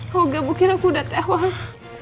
kamu gak mungkin aku udah tewas